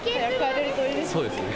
そうですね。